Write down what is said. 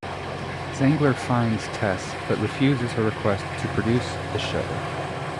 Zangler finds Tess, but refuses her request to produce the show.